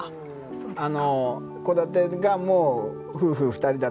そうですね。